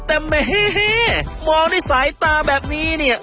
แต่เมเฮเฮมองในสายตาแบบนี้เนี่ย